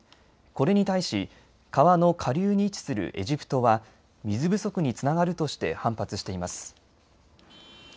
これに対し、川の下流に位置するエジプトは水不足につながるとして反発しています。